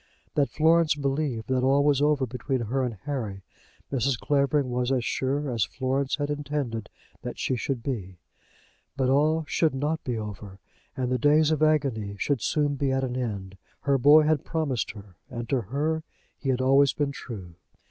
That Florence believed that all was over between her and Harry, Mrs. Clavering was as sure as Florence had intended that she should be. But all should not be over, and the days of agony should soon be at an end. Her boy had promised her, and to her he had always been true.